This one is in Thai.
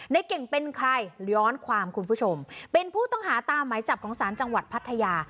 ในเก่งเป็นใครย้อนความคุณผู้ชมเป็นผู้ต้องหาตามหมายจับของศาลจังหวัดพัทยา